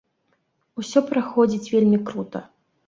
Усё праходзіць вельмі крута.